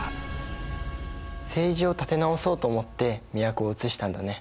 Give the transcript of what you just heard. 政治を立て直そうと思って都をうつしたんだね。